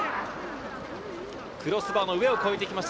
クロスバーの上を越えてきました。